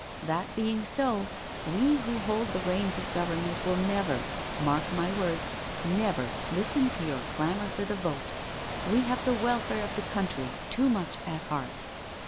That being so, we who hold the reins of Government will never, mark my^ words, never listen to your clamour for the vote. We have the welfare of the country too much at heart.